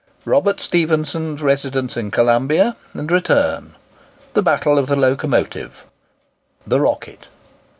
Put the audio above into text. ROBERT STEPHENSON'S RESIDENCE IN COLOMBIA, AND RETURN—THE BATTLE OF THE LOCOMOTIVE—"THE ROCKET."